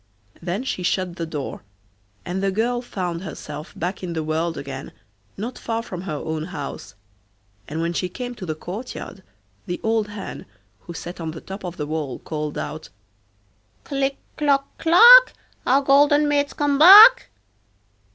Then she shut the door, and the girl found herself back in the world again, not far from her own house; and when she came to the courtyard the old hen, who sat on the top of the wall, called out: 'Click, clock, clack, Our golden maid's come back.